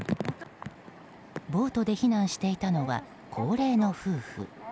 ボートで避難していたのは高齢の夫婦。